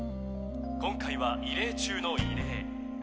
今回は異例中の異例。